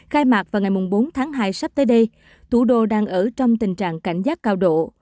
khai mạc vào ngày bốn tháng hai sắp tới đây thủ đô đang ở trong tình trạng cảnh giác cao độ